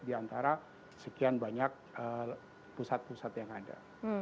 di antara sekian banyak pusat pusat yang ada